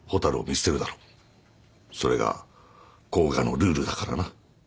それが甲賀のルールだからな。